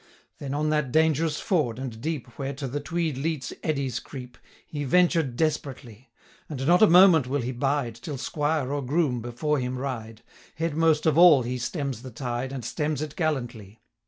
655 Then on that dangerous ford, and deep, Where to the Tweed Leat's eddies creep, He ventured desperately: And not a moment will he bide, Till squire, or groom, before him ride; 660 Headmost of all he stems the tide, And stems it gallantly.